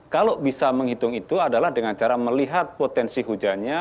kalau bisa menghitung itu adalah dengan cara melihat potensi hujannya